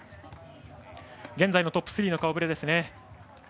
現在のトップ３の顔ぶれです。